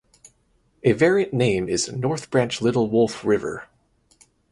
A variant name is "North Branch Little Wolf River".